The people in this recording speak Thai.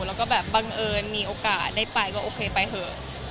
แล้วก็แบบบังเอิญมีโอกาสได้ไปก็โอเคไปเถอะ